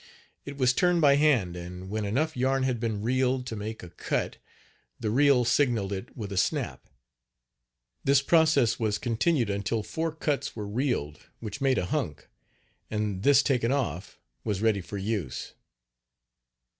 It was turned by hand and when enough yarn had been reeled to make a cut the reel signaled it with a snap. This process was continued until four cuts were reeled which made a hunk, and this this taken off and was ready for use.